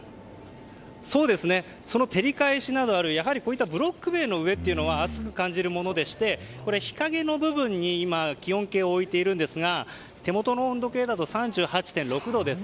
照り返しなどあるブロック塀の上などは暑く感じるものでしてこれ、日陰の部分に気温計を置いているんですが手元の温度計だと３８．６度です。